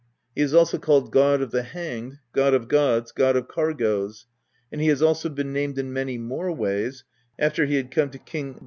He is also called God of the Hanged, God of Gods, God of Cargoes ; and he has also been named in many more ways, after he had come to King Geirrodr: ' Wind brlnger?